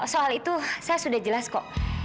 soal itu saya sudah jelas kok